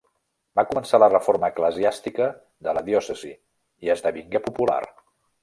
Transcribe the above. Va començar la reforma eclesiàstica de la diòcesi i esdevingué popular.